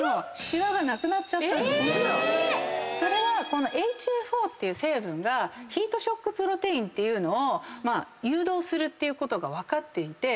このＨＡ４って成分がヒートショックプロテインというのを誘導するっていうことが分かっていて。